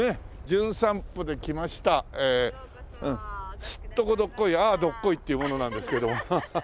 『じゅん散歩』で来ましたすっとこどっこいああどっこいという者なんですけども。